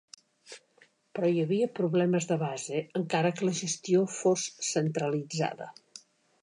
Però hi havia problemes de base, encara que la gestió fos centralitzada.